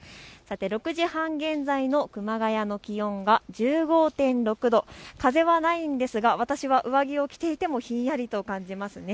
６時半現在の熊谷の気温は１５．６度、風はないんですが私は上着を着ていてもひんやりと感じますね。